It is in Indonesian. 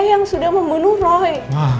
saya yang sudah membunuh roy